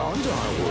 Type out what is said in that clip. これ。